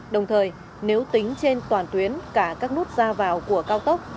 đồng thời nếu tính trên toàn tuyến cả các nút ra vào của cao tốc